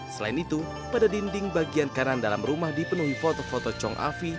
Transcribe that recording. selain itu pada dinding bagian kanan dalam rumah dipenuhi foto foto chong afi